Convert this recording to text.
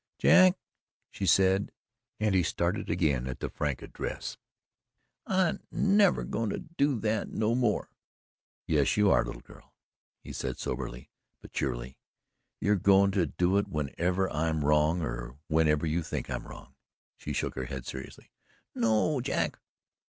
"Jack," she said, and he started again at the frank address, "I ain't NEVER GOIN' TO DO THAT NO MORE." "Yes, you are, little girl," he said soberly but cheerily. "You're goin' to do it whenever I'm wrong or whenever you think I'm wrong." She shook her head seriously. "No, Jack."